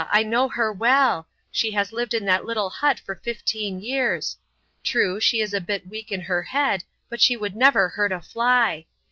I know her well. She has lived in that little hut for fifteen years. True, she is a bit weak in her head but she would never hurt a fly.